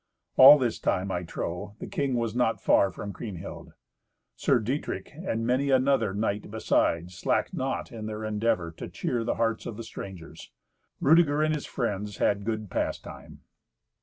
All this time, I trow, the king was not far from Kriemhild. Sir Dietrich, and many another knight beside, slacked not in their endeavour to cheer the hearts of the strangers. Rudeger and his friends had good pastime.